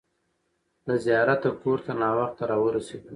له زیارته کور ته ناوخته راورسېدو.